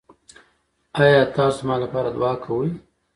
ایا تاسو زما لپاره دعا کوئ؟